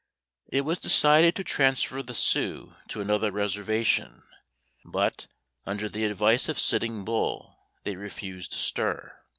It was decided to transfer the Sioux to another reservation, but, under the advice of Sitting Bull, they refused to stir.